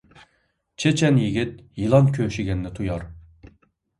چېچەن يىگىت يىلان كۆشىگەننى تۇيار